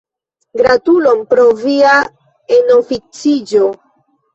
Gratulon pro via enoficiĝo.